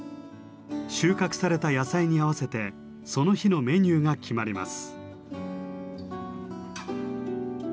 収穫された野菜に合わせてその日のメニューが決まります。